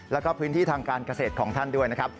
แล้วก็พื้นที่ทางการเกษตรของท่านด้วยนะครับ